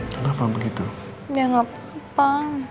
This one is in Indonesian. kenapa begitu ya enggak apa apa